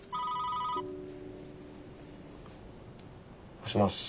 もしもし。